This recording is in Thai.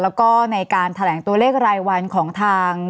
แล้วก็ในการแถลงตัวเลขรายวันของทาง